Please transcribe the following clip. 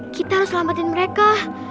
kita harus selamatin mereka